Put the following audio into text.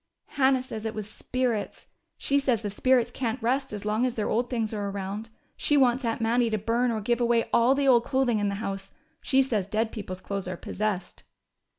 "Hannah says it was 'spirits.' She says the spirits can't rest as long as their old things are around. She wants Aunt Mattie to burn or give away all the old clothing in the house. She says dead people's clothes are possessed."